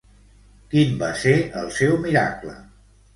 Quin va ser el seu miracle?